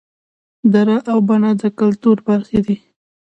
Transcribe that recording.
دړه او بنه د کولتور برخې دي